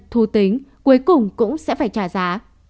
thu tính cuối cùng cũng sẽ phải trả giá